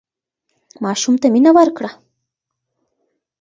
ماشوم ته مينه ورکړه